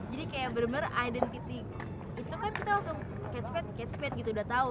jadi kayak bener bener identiti itu kan kita langsung catchpad catchpad gitu udah tau